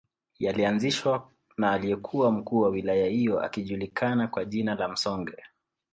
Yalianzishwa na aliyekuwa mkuu wa wilaya hiyo akijulikana kwa jina la Msonge